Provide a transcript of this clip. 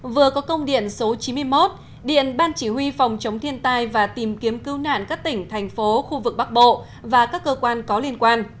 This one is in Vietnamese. vừa có công điện số chín mươi một điện ban chỉ huy phòng chống thiên tai và tìm kiếm cứu nạn các tỉnh thành phố khu vực bắc bộ và các cơ quan có liên quan